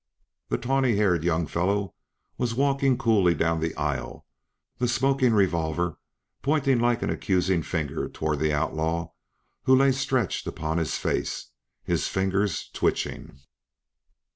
The tawny haired young fellow was walking coolly down the aisle, the smoking revolver pointing like an accusing finger toward the outlaw who lay stretched upon his face, his fingers twitching.